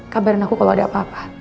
kabar aku kalau ada apa apa